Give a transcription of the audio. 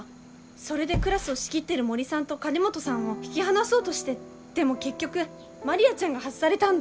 それでクラスを仕切ってる森さんと金本さんを引き離そうとしてでも結局マリアちゃんが外されたんだ。